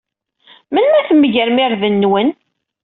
Melmi ad tmegrem irden-nwen?